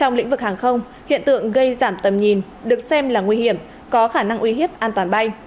trong lĩnh vực hàng không hiện tượng gây giảm tầm nhìn được xem là nguy hiểm có khả năng uy hiếp an toàn bay